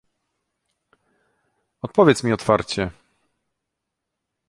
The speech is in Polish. "Odpowiedz mi otwarcie."